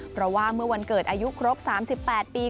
เพราะว่าเมื่อวันเกิดอายุครบ๓๘ปี